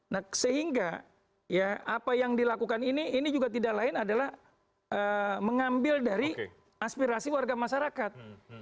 nah sehingga ya apa yang dilakukan ini ini juga tidak lain adalah mengambil dari aspirasi warga masyarakat